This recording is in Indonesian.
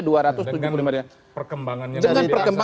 dengan perkembangannya lebih besar